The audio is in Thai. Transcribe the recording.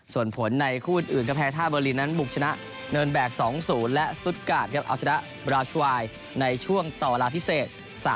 ส่วนผลในคู่อื่นก็แพ้ท่าเบอร์ลินนั้นบุกชนะเนินแบก๒๐และสตุ๊ดการ์ดครับเอาชนะบราชวายในช่วงต่อเวลาพิเศษ